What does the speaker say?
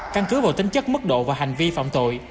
căn cứ vào tính chất mức độ và hành vi phạm tội